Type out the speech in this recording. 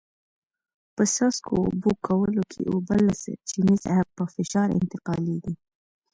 په څاڅکو اوبه کولو کې اوبه له سرچینې څخه په فشار انتقالېږي.